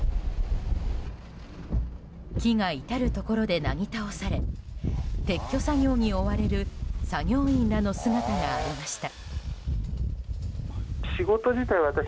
木が至るところでなぎ倒され撤去作業に追われる作業員らの姿がありました。